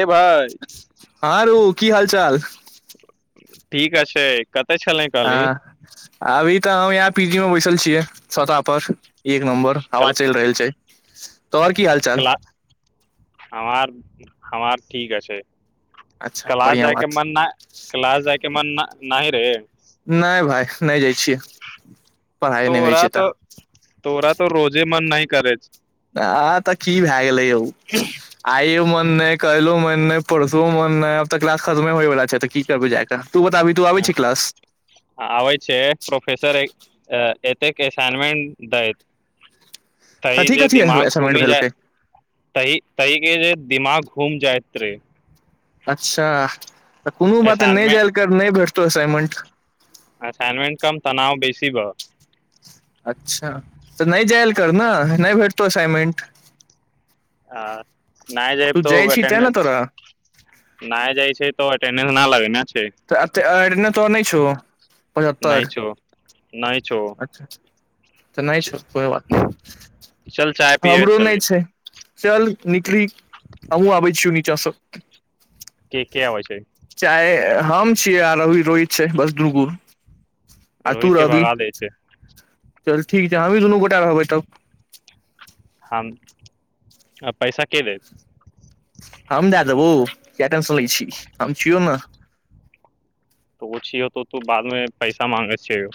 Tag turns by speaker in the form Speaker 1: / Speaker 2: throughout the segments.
Speaker 1: हे भाय
Speaker 2: हँ रों की हाल चाल
Speaker 1: ठीके छै कतऽ छलै कहली
Speaker 2: हँ अभी तऽ हम यहाँ पी मे बैसल छियै छता पर एक नम्बर हवा
Speaker 1: कल
Speaker 2: चलि रहल छै तोहर की हाल चाल
Speaker 1: क्ला हमार हमार ठीक छै
Speaker 2: अच्छा
Speaker 1: क्लाास
Speaker 2: बढ़िया
Speaker 1: जाय के
Speaker 2: बात
Speaker 1: मन नै क्लास जाय के मन नै नाहिं हे
Speaker 2: नहि भाइ नहि जाइ छियै पढ़ाइ नहि होइ
Speaker 1: तोरा
Speaker 2: छै
Speaker 1: तऽ तोरा तऽ रोजे मन नहि करै छौ
Speaker 2: आ तऽ की भए गेलै यौ आइो मन नै काल्हिो मन नहि परसो मोन नहि आब तऽ किलास खतमे होयवला छै तऽ की करबै जाय क
Speaker 1: आबै छे प्रोफेसर ए- एते के असाइनमेंट दैत त ई
Speaker 2: कथी
Speaker 1: जे
Speaker 2: कथी
Speaker 1: दिमाग
Speaker 2: असाइनमेंट
Speaker 1: घूमि
Speaker 2: भेलकै
Speaker 1: जायत तहि तहि के जें दिमाग घुम जायत रे
Speaker 2: अच्छा त कोनो बात नै
Speaker 1: असाइनमेंट
Speaker 2: जायल कर नहि भेटतौ त असाइनमेंट
Speaker 1: असाइनमेंट कम तनाव बेसी बा
Speaker 2: अच्छा त नै जायल कर न नहि भेटतौ असाइनमेंट
Speaker 1: हँ नाय जायब
Speaker 2: तू
Speaker 1: तो ओ
Speaker 2: जाइ छी तें ने
Speaker 1: अटेंडेंस
Speaker 2: तोरा
Speaker 1: नाय जाइ छे तों अटेंडेंस [unintelligible] नहि छौ
Speaker 2: [unintelligible]
Speaker 1: नहि छौ
Speaker 2: त नहि छौ त कोई बात नै
Speaker 1: चल चाय पिये
Speaker 2: हमरो नै
Speaker 1: चली
Speaker 2: छै चल निकली हमहू आबै छियो निचा सँ
Speaker 1: के के आबै छै
Speaker 2: आँ-य हम छियै आ रवि रोहित छै बस दू गो आ तुं
Speaker 1: रोहित के
Speaker 2: रहबि
Speaker 1: भगा दै छै
Speaker 2: चल ठीक छै हमहीं दू गोटा रहबै तब
Speaker 1: हम आ पैसा के देत
Speaker 2: हम देय देबौ किया टेंशन ले छिहीं हम छियौ न
Speaker 1: उ छियौ बाद मे तु पैसा मांगै छियो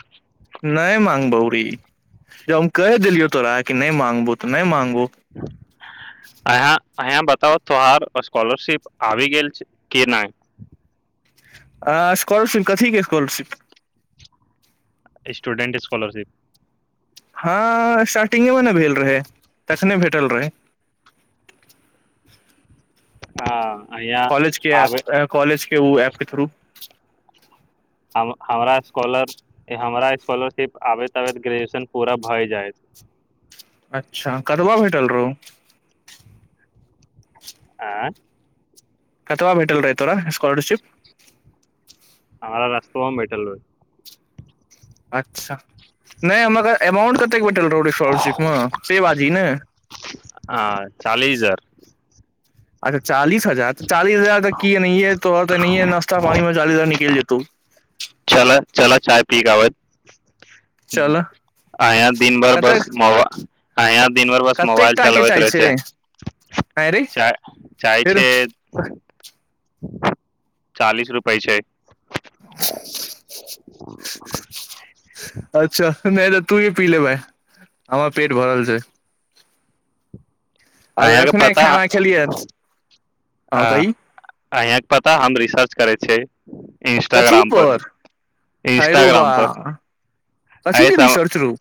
Speaker 2: नै मांगबो रे जब हम कहि देलियौ तोरा की नै मांगबौ नहि मांगबो उ
Speaker 1: अंहा बताओ तोहार स्कॉलरशीप आबि गेल छै की नहि
Speaker 2: आँ स्कॉलरशीप कथि के स्कॉलरशीप
Speaker 1: स्टूडेंट स्कॉलरशीप
Speaker 2: हाँ स्टार्टिंग मे न भेल रहै तखने भेटल रहै
Speaker 1: हाँ
Speaker 2: कॉलेज के आएत ऐं कॉलेज के उ ऐप्प के थूरू [inaudible]
Speaker 1: [unintelligible] हमरा स्कॉलर के हमरा स्कॉलरशीप आबैत आबैत ग्रेजुशन पुरा भरि जायत
Speaker 2: अच्छा कतबां भेटल रहों
Speaker 1: आँ
Speaker 2: कतबां भेट रहै तोरा स्कॉलरशीप
Speaker 1: हमरा बस फर्म भेटल रहै
Speaker 2: अच्छा नहि हमरा कह अमाउंट कते कते भेट रहों स्कॉलरशीप मे से बाजहीं ने
Speaker 1: हँ चालीस हजार
Speaker 2: अच्छा चालीस हजार चालीस हजार तऽ की एनाहींये तोहर एनाहि नास्ता पानि मे निकैल जेतौ
Speaker 1: चलऽ चलऽ चाय पी क आबैत
Speaker 2: चलऽ
Speaker 1: आँया दिनभर बस
Speaker 2: कतेक
Speaker 1: मोबा आँया दिनभर बस
Speaker 2: कतेक
Speaker 1: मोबाइल
Speaker 2: टा के
Speaker 1: चलाबैत
Speaker 2: चाय
Speaker 1: रहै छै
Speaker 2: आँय रे
Speaker 1: चाय चाय
Speaker 2: फेर
Speaker 1: छै चालीस रुपए छै
Speaker 2: अच्छा नहि नहि तऽ तूी पी ले बैं हमर पेट भरल छै आब
Speaker 1: अयहाँके
Speaker 2: एखने
Speaker 1: पता
Speaker 2: खाना खेलियै
Speaker 1: अ
Speaker 2: हँ कही
Speaker 1: अयहाँके पता हम रिसर्च करै छै इंस्टाग्राम पर
Speaker 2: हाय रौ बा
Speaker 1: इंस्टाग्राम पर
Speaker 2: कथी
Speaker 1: हय
Speaker 2: के
Speaker 1: सम
Speaker 2: रिसर्च रौ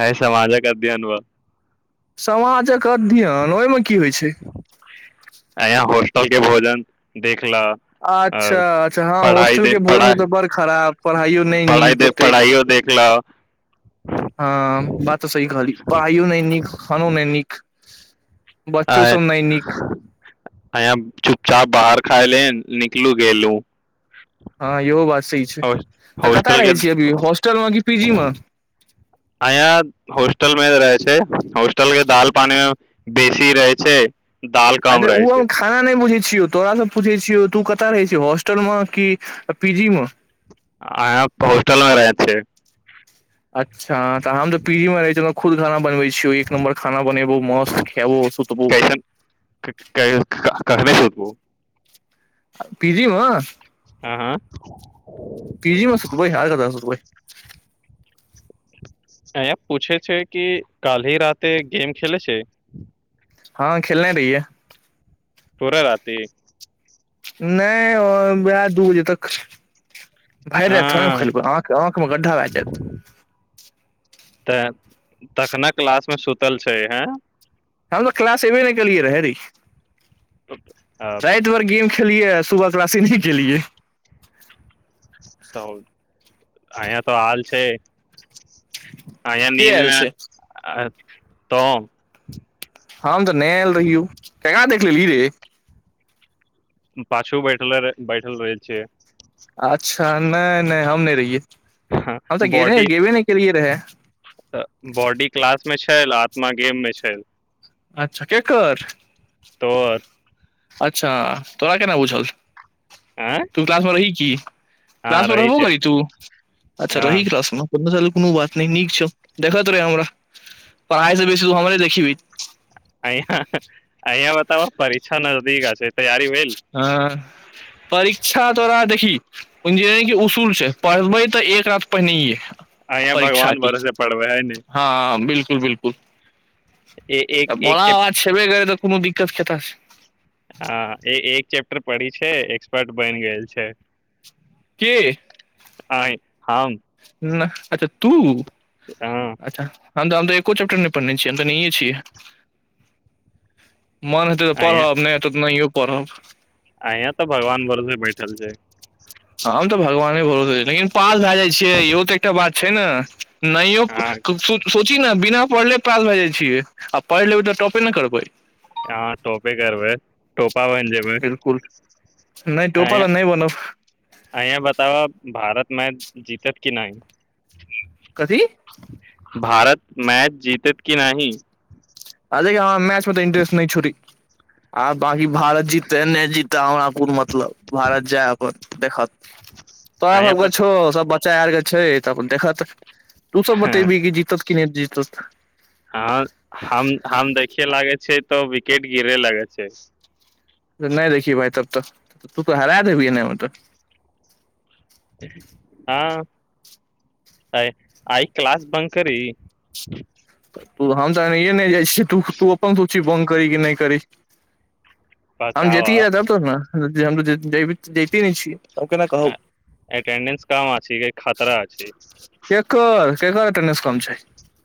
Speaker 1: हय समाजक अध्ययन भ
Speaker 2: समाजक अध्ययन ओहिमे की होइ छै
Speaker 1: सब के भोजन देख ल अ
Speaker 2: अच्छा अच्छा हँ
Speaker 1: पढ़ाई
Speaker 2: होॉस्टल
Speaker 1: देख
Speaker 2: के भोजन
Speaker 1: पढ़ाई
Speaker 2: तऽ बड़ खराब पढ़ाइयो नहि
Speaker 1: पढ़ाई
Speaker 2: नीक
Speaker 1: देख
Speaker 2: ओतेक
Speaker 1: पढ़ाइयो देख ल
Speaker 2: हँ बात तऽ सही कहली पढ़ाइयो नहि नीक खानो नहि नीक बच्चो सब नहि नीक
Speaker 1: अंया चुपचाप बाहर खाईलें निकलू गलू
Speaker 2: हँ इहो बात सही छै तऽ कतय रहै
Speaker 1: के
Speaker 2: छियै अभी होॉस्टलमे कि पीजी मे
Speaker 1: अंया होॉस्टल मे रहै छै होॉस्टल के दाल पानि मे बेसी रहै छै दाल कम
Speaker 2: अच्छा
Speaker 1: रहे
Speaker 2: उ
Speaker 1: छै
Speaker 2: हम खाना नहि पुछै छियौ तोराासँ पूछै छियो तू कत रहै छी होॉस्टल मे की पीजी मे
Speaker 1: आँया त होस्टल मे रहै छियै
Speaker 2: अच्छा हम तऽ पी जी मे रहै छलहुं खुद खान बनबै छियौ एक नम्बर खाना बनबौ मस्त खैबो सूतबौ
Speaker 1: हो
Speaker 2: पीजीमे
Speaker 1: आँ हँ
Speaker 2: पीजी मे सुतबै आओर कतह सुतबै
Speaker 1: अंया पूछे छै कि काल्हि राते गेम खेलै छै
Speaker 2: हँ खेलने रहिए
Speaker 1: पूरा राति
Speaker 2: नहि ओ बाय दू बजे तक भरि राईत थोड़े ने खलबै आंख आंख मे गड्ढा भए जायत
Speaker 1: तऽ तखने क्लासमे सुतल छै हेँ
Speaker 2: हम तऽ क्लास एबे नहि केलिए रहा रे राति भर गेम खेलिय आ सुबह क्लासे नहि केलिए
Speaker 1: तौ अंया त आएल छै अंया
Speaker 2: के
Speaker 1: नींद
Speaker 2: आयल
Speaker 1: नै
Speaker 2: छै
Speaker 1: आ- तौँ
Speaker 2: हम त नै आएल रहियौ केना देख- ले लिहीं रे
Speaker 1: पाछु बैठले रह बैठल रहै छियै
Speaker 2: अच्छा ने ने हम नहि रहिये हम त गेने गेबै नहि केलिए र हा [inaudible]
Speaker 1: त बॉडी क्लास मे छेल आत्मा गेम मे छेल
Speaker 2: अच्छा केकर
Speaker 1: तोहर
Speaker 2: अच्छा तोरा केना बुझहल
Speaker 1: आँ
Speaker 2: तु क्लास मे रहि की
Speaker 1: हँ
Speaker 2: क्लास मे
Speaker 1: रहै
Speaker 2: रहबो
Speaker 1: छै
Speaker 2: करि तु अच्छा
Speaker 1: हँ
Speaker 2: रहि क्लास मे बुझल कोनो बात नहि नीक छौ देखैत रह हमरा पढ़ाई सँ बेसी तु हमरे देखबिहीं हूँ
Speaker 1: अहिया अहिया बताबऽ [unintelligible]
Speaker 2: हाँ परीक्षा तोरा देखहीं उसूल छै पढ़बै त एक राति पहिंनये
Speaker 1: अंया भगवान भरोसे पढ़बै हा ने
Speaker 2: हँ बिल्कुल बिल्कुल
Speaker 1: ए एक एक
Speaker 2: भोला
Speaker 1: चैप
Speaker 2: बाबा छबे करै त कोनो दिक्क [unintelligible]
Speaker 1: आँ ए ए एक चेप्टर पढ़ि छै एक्सपर्ट बनि गेल छै
Speaker 2: के
Speaker 1: आँय हम
Speaker 2: न ह अच्छा तु
Speaker 1: [unintelligible]
Speaker 2: हम त हम एको चेप्टर नहि पढ़ने छियै हम त नहिये छियै मन हेतै त पढ़ब नै हेतै त नहियो पढ़ब
Speaker 1: अंय त भगवान भरोसे बैठल छे
Speaker 2: हम तऽ भगवान भरोसे लेकिन पास भए जाइ छै इहो तऽ एकटा बात छै ने नहियो
Speaker 1: हँ
Speaker 2: कु - सोची हाँ ने बिना पढ़ले पास भए जाइ छियै आ पढ़ि लेबै तऽ टॉपे ने करबै
Speaker 1: हाँ टॉपे करबै टॉप पा बनि जेबै
Speaker 2: बिल्कुल नहि टोपा
Speaker 1: अंया
Speaker 2: तऽ नहि बनब
Speaker 1: अंया बताब भारत मैच जीतत कि नहि
Speaker 2: कथी
Speaker 1: भारत मैच जितैत की नहि
Speaker 2: आ देखहिं हमरा मैच ओते इन्टेस्ट नहि छौ रें आ बांकी भारत जीताए नहि जीताए हमरा कोन मतलब भारत जाय अपन देखत तोरा
Speaker 1: अहें
Speaker 2: सबके
Speaker 1: पर
Speaker 2: छो सब बच चाय आर के छै त अपन देखत तू सब बतेबीहिं कि जीतत की नहि जीतत
Speaker 1: हँ हम हम देखिये लागे छियै तऽ विकेट गिरे लागे छै
Speaker 2: नहि देखिहि भाइ तब तऽ तू त हरा देबिहीं ऐना मे तऽ
Speaker 1: हँ आइ आइ क्लास बन्द करी
Speaker 2: हम त एनहि नहि जाइ छियै तू अपन सोचही बन्द करी नहि करी हम जेतीये र
Speaker 1: बताबऽ
Speaker 2: हा तब त न हम जय- ज - जाईते ने छियै हम केना
Speaker 1: ऐं
Speaker 2: कहब
Speaker 1: एटेंडेंस कम आ छिके खातरा छी
Speaker 2: केकर केकर एटेंडेंस कम छै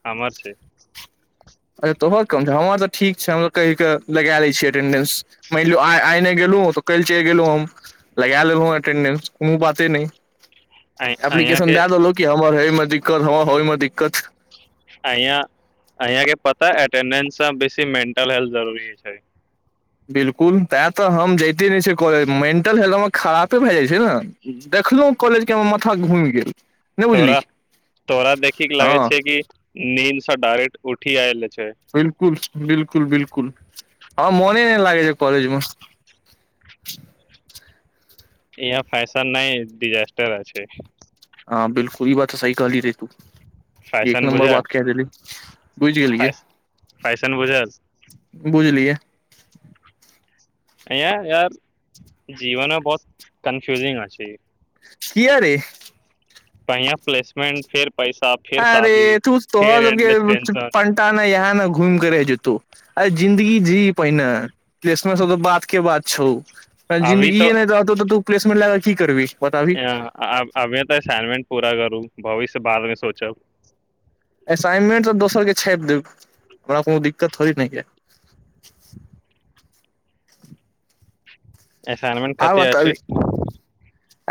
Speaker 1: हमर छै
Speaker 2: अच्छा तोहर कम छै हमरा तऽ ठीक छै हम कहि कऽ लगाए लै छियै एटेंडेंस मानि लियअ आइ आइ नहि गेलहुँ तऽ काल्हि चलि गेलहुँ हम लगाए लेलहुँ एटेंडेंस कोनो बाते नहि
Speaker 1: अं अंया
Speaker 2: एप्लीकेशन
Speaker 1: के
Speaker 2: दए देलहुँ हमर हेय मे दिक्कत हमर होय मे दिक्कत
Speaker 1: अंया अंया के पता हायत एटेंडेंस सँ बेसी मानि [unintelligible] जरूरी छै
Speaker 2: बिल्कुल तैँ तऽ हम जाइते नहि छियै कॉलेज मेंटल हेल्थ हममे खराबे भए जाइत छै ने देखलहुँ कॉलेजके हम माथा घूमि गेल नहि बुझली
Speaker 1: तोरा तोरा देखिक के लागे
Speaker 2: हँ
Speaker 1: छै की नींन्दसँ डायरेक्ट उठी आयलै छै
Speaker 2: कुल बिलकुल बिलकुल हमरा मने नहि लागे छै कॉलजमे
Speaker 1: इहाँ फैसन नहि डिजास्टर आ छै
Speaker 2: हँ बिल्कुल ई बात सही कहलीं रे तू एक
Speaker 1: फैशन
Speaker 2: नंबर
Speaker 1: बुझल
Speaker 2: बात केह देलहीं
Speaker 1: फैश फैशन बुझल
Speaker 2: बुझलियए
Speaker 1: अंय यार जीवनमे बहुत कन्फ्यूजिंग अछि
Speaker 2: किया रे
Speaker 1: अंया प्लेसमेंट फेर पैसा फेर
Speaker 2: आ रे
Speaker 1: शादी
Speaker 2: तू त तोहर फेर
Speaker 1: एंडलेस टेंशन
Speaker 2: पंटा ने ईहा न घुम के रहि जेतौ आ रे जिन्दगी जीह पहिनेे केश मे सब त बाद के बात छौ
Speaker 1: अभी
Speaker 2: जिन्दगीए ने रहतौ त तू पलेसमेंट ला क की करबिहीं
Speaker 1: अंय अभी तऽ असाइनमेंट पूरा करू भविष्य बादमे सोचब
Speaker 2: असाइनमेंट सब दोसर के छापि देब हमरा कोनो दिक्कत थोड़े नै या
Speaker 1: असाईनमेंट
Speaker 2: आर
Speaker 1: कते छै
Speaker 2: बताबी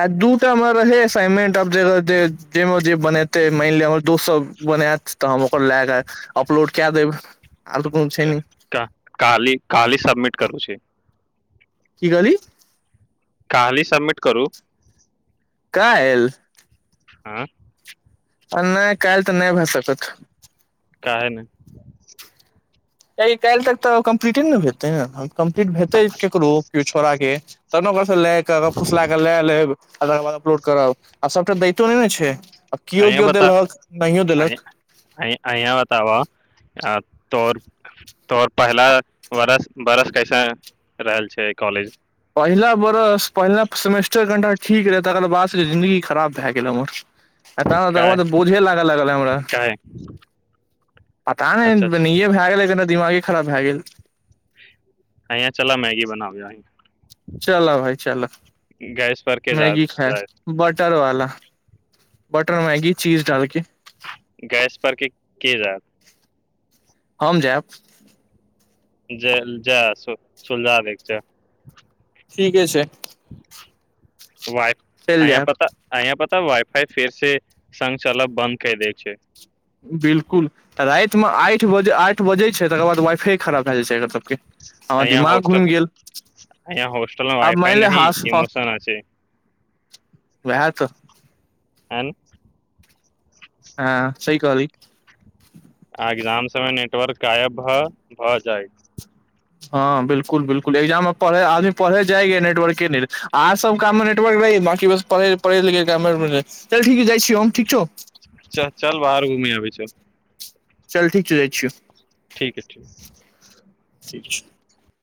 Speaker 2: आ दू टामे रहै असाइनमेंट आब ज जे जैमे जे बनेतै मानि लिअ हमर दोस्त सभ बनायत तऽ हम ओकर लए कऽ अपलोड कए देब तऽ कोनो छै नहि
Speaker 1: क काली काल्हि समिट करू छै
Speaker 2: की कहलीं
Speaker 1: काल्हि सबमिट करू
Speaker 2: कालिह
Speaker 1: आँ
Speaker 2: आ नहि काल्हि तऽ नहि भए सकत
Speaker 1: काहे नहि
Speaker 2: काल्हि तक तऽ कम्प्लीटे ने हेतै ने कम्प्लीट हेतै केकरो केओ छौड़ा के तब न ओकरा ले के ओकरा फुसला के ले लेब आ अपलोड करब आ सभटा दैतो नहि ने छै आ केओ
Speaker 1: अंय
Speaker 2: केओ
Speaker 1: बता
Speaker 2: देलक नहियो
Speaker 1: अं
Speaker 2: देलक
Speaker 1: अंया बताब आ तोहर तोहर पहिला बरस बरस कैसन रहल छै कॉलेज
Speaker 2: पहिला बरस पहिला सेमेस्टर कनिटा ठीक रहै तकर बादसँ जिंन्दगी खराब भए गेल हमर ऐं त
Speaker 1: काहे
Speaker 2: ताद बोझे लाग लागल हमरा
Speaker 1: काहे
Speaker 2: पता नेे
Speaker 1: अच्छा अच्छा
Speaker 2: एनही भए गेल दिमागे खराब भए गेल
Speaker 1: अंय चलऽ मैगी बनाबि आइ
Speaker 2: चल भाइ चल
Speaker 1: पर के जा
Speaker 2: मैगी
Speaker 1: जाय
Speaker 2: खाई बटर वाला बटर मैगी चीज डालके
Speaker 1: गैस पर के के जायत
Speaker 2: हम जायब
Speaker 1: ज जाय सुलगा दै छियऽ
Speaker 2: ठीके छै
Speaker 1: [inaudible] वाइफ
Speaker 2: चलि
Speaker 1: अंय
Speaker 2: जायब
Speaker 1: पर त अंया पर त तब वाई फ़ाई फेर से सङ्ग चलऽ बन्द कै दैय छै
Speaker 2: बिल्कुल राति मे आईठ आठ बजै छै तकर बाद वाई फ़ाई खराब भ जाइ छै एकर त
Speaker 1: अंया हॉस्टल अंया हॉस्टल मे
Speaker 2: आब
Speaker 1: वाई फ़ाई नहि इमोशन छै
Speaker 2: ओहा त
Speaker 1: एन
Speaker 2: आँ सही कहलीं
Speaker 1: [unintelligible] नेटवर्क गायब भ भ जायत
Speaker 2: हाँ बिल्कुल बिल्कुल एग्जाम मे पढ़ आदमी पढ़ जाइया नेटवर्क नहि आओर सब काम मे नेटवर्क रहै या बांकी बस पढ़ै लिखै पढ़ैलिखै बेर मे नहि चल ठीक हम जाइ छियौ ठीक छौ
Speaker 1: चल चल बाहर घूमि आबै छियौ
Speaker 2: चल ठीक छै जाइ छियौ
Speaker 1: ठीक है ठीक
Speaker 2: [unintelligible]